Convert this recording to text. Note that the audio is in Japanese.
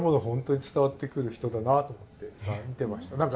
本当に伝わってくる人だなと思って今見てました。